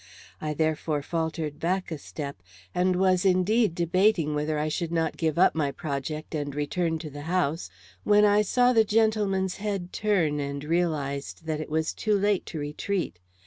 I therefore faltered back a step, and was indeed debating whether I should not give up my project and return to the house, when I saw the gentleman's head turn, and realized that it was too late to retreat.